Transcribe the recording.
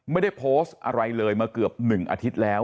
ไม่ได้โพสต์อะไรเลยมาเกือบ๑อาทิตย์แล้ว